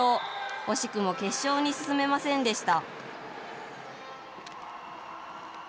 惜しくも決勝に進めませんでした。